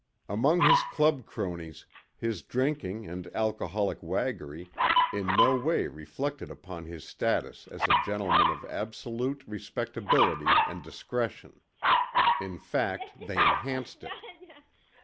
Among his club cronies his drinking and alcoholic waggery in no way reflected upon his status as a gentleman of absolute respectability and discretion. In fact they enhanced it.